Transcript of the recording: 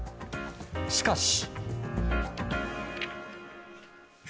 しかし。